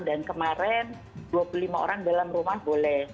dan kemarin dua puluh lima orang dalam rumah boleh